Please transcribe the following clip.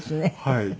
はい。